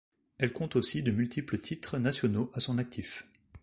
Elle compte aussi de multiples titres nationaux à son actif.